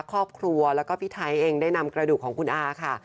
ครอบครัวแล้วก็พี่ไทยเองได้นำกระดูกของคุณอาค่ะ